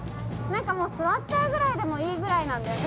なんかもう座っちゃうぐらいでもいいぐらいなんだよ。